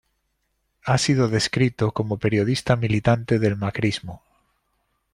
Ha sido descrito como periodista militante del macrismo.